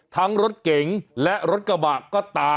ทั้งรถเก๋งและรถกระบะก็ตาม